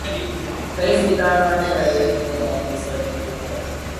Place's guitar lines were rhythmic and distortion-filled.